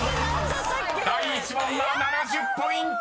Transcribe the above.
［第１問は７０ポイント！］